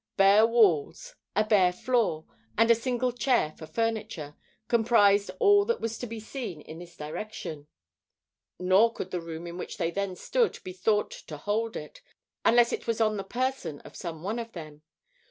Bare walls, a bare floor, and a single chair for furniture, comprised all that was to be seen in this direction. Nor could the room in which they then stood be thought to hold it, unless it was on the person of some one of them.